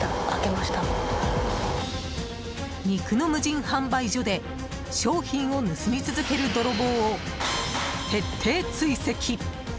肉の無人販売所で、商品を盗み続ける泥棒を徹底追跡！